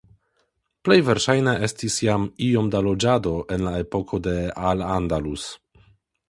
Plej verŝajne estis jam iom da loĝado en epoko de Al Andalus.